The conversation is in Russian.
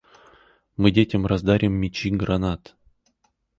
Мы детям раздарим мячи гранат.